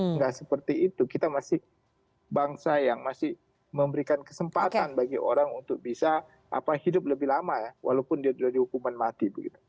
nggak seperti itu kita masih bangsa yang masih memberikan kesempatan bagi orang untuk bisa hidup lebih lama ya walaupun dia sudah dihukuman mati begitu